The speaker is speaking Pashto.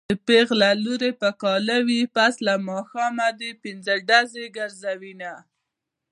چې پېغله لور يې په کاله وي پس د ماښامه دې پنځډزی ګرځوينه